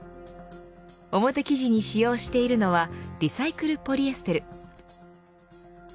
表生地に使用しているのはリサイクルポリエステル。